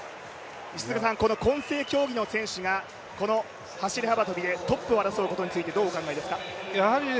この混成競技の選手がこの走幅跳でトップを争うことについてどうお考えですか？